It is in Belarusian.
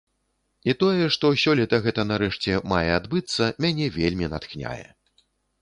І тое, што сёлета гэта нарэшце мае адбыцца, мяне вельмі натхняе.